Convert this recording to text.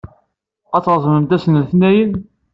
Ad treẓmemt ass n letniyen?